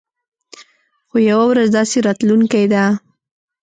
خو يوه ورځ داسې راتلونکې ده.